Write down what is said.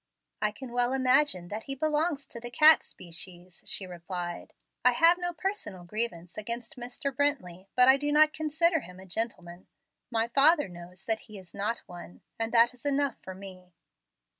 "I can well imagine that he belongs to the cat species," she replied. "I have no personal grievance against Mr. Brently, but I do not consider him a gentleman. My father knows that he is not one, and that is enough for me."